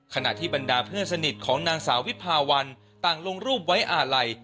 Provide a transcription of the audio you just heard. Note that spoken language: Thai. ขณะที่บรรดาเพื่อนสนิทของนางสาววิภาวันต่างลงรูปไว้อาลัย